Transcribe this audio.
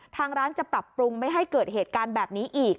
ทางร้านจะปรับปรุงไม่ให้เกิดเหตุการณ์แบบนี้อีก